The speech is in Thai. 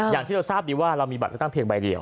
อย่างที่เราทราบดีว่าเรามีบัตรเลือกตั้งเพียงใบเดียว